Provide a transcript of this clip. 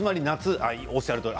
おっしゃるとおり。